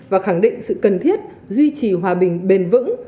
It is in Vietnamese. và khẳng định sự cần thiết duy trì hòa bình bền vững